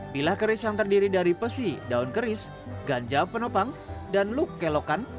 bilah keris yang terdiri dari pesi daun keris ganja penopang dan luk kelokan